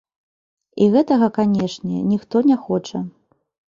І гэтага, канешне, ніхто не хоча.